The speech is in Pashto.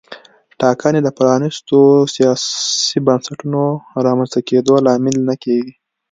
ټاکنې د پرانیستو سیاسي بنسټونو رامنځته کېدو لامل نه کېږي.